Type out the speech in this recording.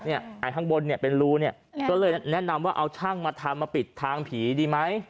ไอ้ข้างบนเป็นรูเนี่ยก็เลยแนะนำว่าเอาช่างมาทำมาปิดทางผีดีไหม